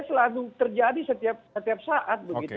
selalu terjadi setiap saat